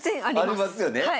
ありますよね。